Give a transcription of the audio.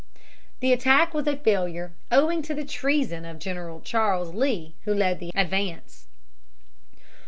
The attack was a failure, owing to the treason of General Charles Lee, who led the advance.